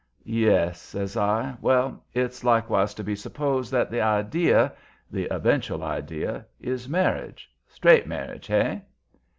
"Yes," says I. "Well, it's likewise to be supposed that the idea the eventual idea is marriage, straight marriage, hey?"